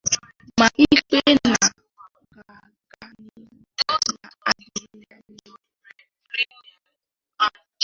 ma kpee na ọ ga-aga n'ihu na-adịrị ya mma